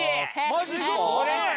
マジっすか？